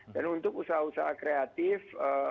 dan untuk usaha usaha kreatif